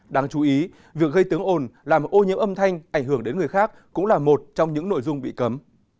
đáng chú ý việc gây tiếng ồn làm ô nhiễm âm thanh ảnh hưởng đến người khác cũng là một trong những nội dung bị cấm